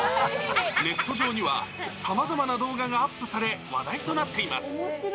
ネット上には、さまざまな動画がアップされ、話題となっています。